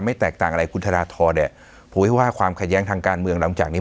ไม่แตกต่างอะไรคุณธรทอเนี้ยพูดว่าความขย้างทางการเมืองหลังจากนี้